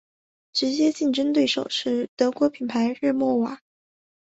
直接竞争对手是德国品牌日默瓦。